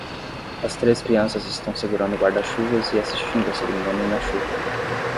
As três crianças estão segurando guarda-chuvas e assistindo a cerimônia na chuva.